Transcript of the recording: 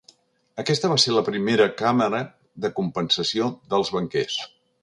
Aquesta va ser la primera càmera de compensació dels banquers.